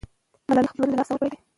ملالۍ خپل ژوند له لاسه ورکړی دی.